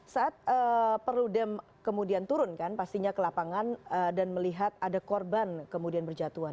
saat perludem kemudian turun kan pastinya ke lapangan dan melihat ada korban kemudian berjatuhan